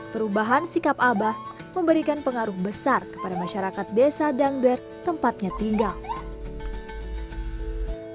perubahan sikap abah memberikan pengaruh besar kepada masyarakat desa dangder tempatnya tinggal